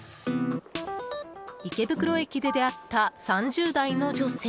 池袋駅で出会った３０代の女性。